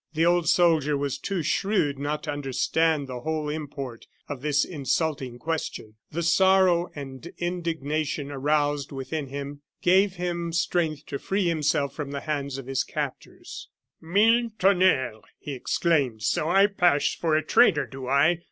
The old soldier was too shrewd not to understand the whole import of this insulting question. The sorrow and indignation aroused within him gave him strength to free himself from the hands of his captors. "Mille tonnerres!" he exclaimed; "so I pass for a traitor, do I!